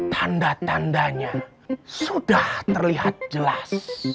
tanda tandanya sudah terlihat jelas